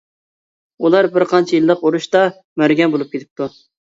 ئۇلار بىرقانچە يىللىق ئۇرۇشتا مەرگەن بولۇپ كېتىپتۇ.